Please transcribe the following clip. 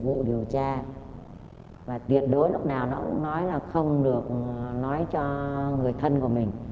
vụ điều tra và tuyệt đối lúc nào nó cũng nói là không được nói cho người thân của mình